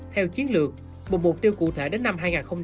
theo chiến lược một mục tiêu cụ thể đến năm hai nghìn hai mươi năm